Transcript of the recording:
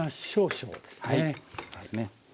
はい入れますね。